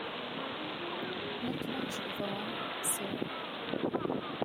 Not much of a one, sir.